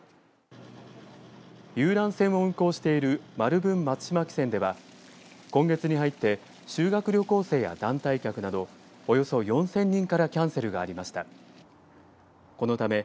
遊覧船を運航している丸文松島汽船では今月に入って修学旅行生や団体客などおよそ４０００人からキャンセルがありました。